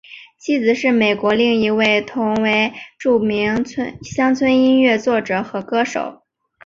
妻子是美国另一位同为著名乡村音乐作者和歌手。